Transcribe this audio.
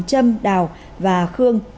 trâm đào và khương